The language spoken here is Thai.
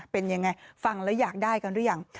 เป็นยังไงฟังแล้วอยากได้กันหรือยัง